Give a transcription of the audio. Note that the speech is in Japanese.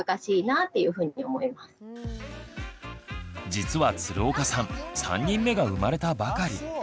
実は鶴岡さん３人目が生まれたばかり。